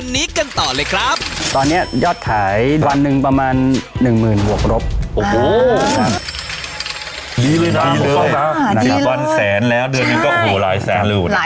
ดีเลยนะครับวันแสนแล้วเดือนหนึ่งก็หลายแสนเลยนะครับใช่หลายแสน